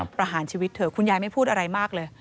ประหารชีวิตเถอะคุณยายไม่พูดอะไรมากเลย